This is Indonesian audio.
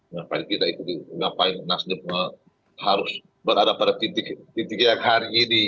ngapain kita harus berada pada titik titik yang hari ini